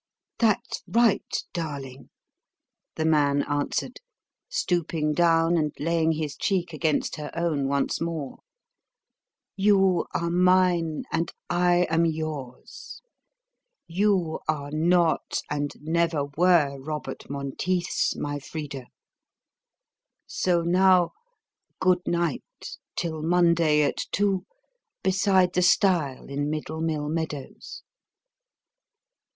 "That's right, darling," the man answered, stooping down and laying his cheek against her own once more. "You are mine, and I am yours. You are not and never were Robert Monteith's, my Frida. So now, good night, till Monday at two, beside the stile in Middle Mill Meadows!"